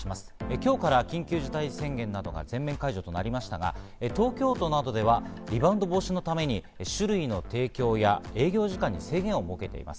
今日から緊急事態宣言などが全面解除となりましたが、東京都などではリバウンド防止のために酒類の提供や営業時間に制限を設けています。